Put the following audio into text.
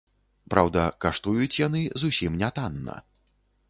Праўда, каштуюць яны зусім нятанна.